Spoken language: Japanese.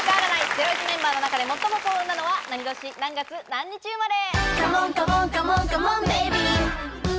ゼロイチメンバーの中で最も幸運なのは何年何月何日生まれ。